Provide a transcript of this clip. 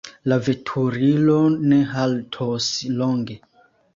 La veturilo ne haltos longe.